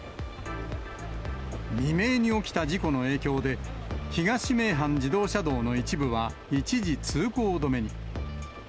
未明に起きた事故の影響で、東名阪自動車道の一部は、一時通行止めに。